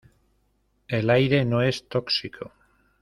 El aire no es tóxico.